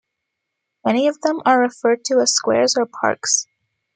Many of them are referred to as squares or parks.